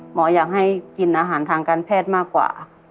หมออยากให้กินอาหารทางการแพทย์มากกว่า